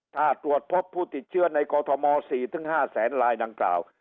ถ้าตรวจพบผู้ติดเชื้อในกรทม๔๕แสนลายดังกล่าว